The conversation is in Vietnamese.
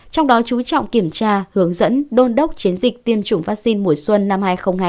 trong đó chú trọng kiểm tra hướng dẫn đôn đốc chiến dịch tiêm chủng vaccine mùa xuân năm hai nghìn hai mươi